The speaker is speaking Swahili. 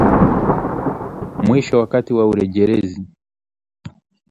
Mwisho wakati wa urejelezi